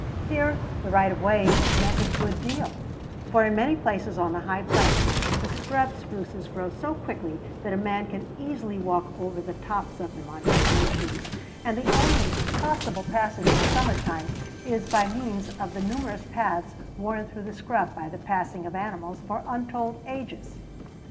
Here the right of way meant a good deal, for in many places on the high plains the scrub spruces grow so thickly that a man can easily walk over the tops of them on his snow shoes, and the only possible passage in summer time is by means of the numerous paths worn through the scrub by the passing of animals for untold ages.